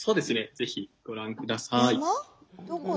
ぜひご覧下さい。